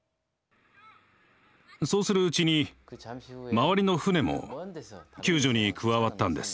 そうするうちに周りの船も救助に加わったんです。